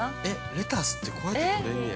◆レタスってこうやってとれんねや。